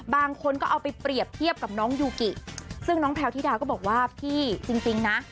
บางคนก็เอาไปเปรียบเทียบกับน้องยูกิซึ่งน้องแพลวธิดาก็บอกว่าพี่จริงนะ